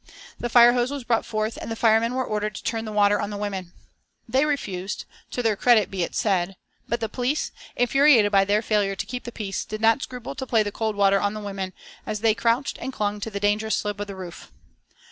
The fire hose was brought forth and the firemen were ordered to turn the water on the women. They refused, to their credit be it said, but the police, infuriated by their failure to keep the peace, did not scruple to play the cold water on the women as they crouched and clung to the dangerous slope of the roof.